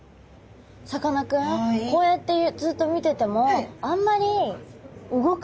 さかなクンこうやってずっと見ててもあんまり動かないんですね。